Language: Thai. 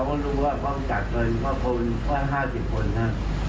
เขารู้ว่าเขาจัดเงินเพราะ๕๐คนนะ